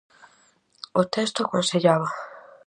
O texto aconsellaba: